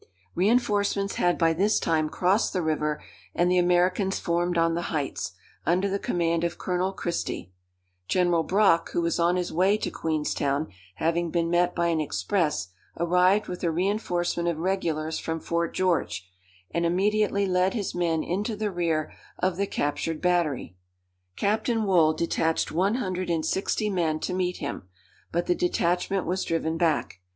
Reinforcements had by this time crossed the river, and the Americans formed on the heights, under the command of Colonel Christie. General Brock, who was on his way to Queenstown, having been met by an express, arrived with a reinforcement of regulars from Fort George, and immediately led his men into the rear of the captured battery. Captain Wool detached one hundred and sixty men to meet him, but the detachment was driven back.